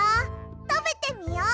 たべてみよう。